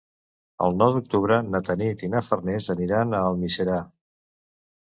El nou d'octubre na Tanit i na Farners aniran a Almiserà.